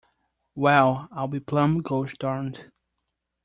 Well, I'll be plumb gosh darned.